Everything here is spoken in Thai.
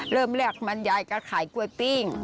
เริ่มแรกมันยายก็ขายกล้วยปิ้ง